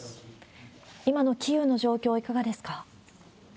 今のキーウの状況はいかがですか？